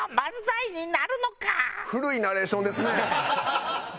古いナレーションですね。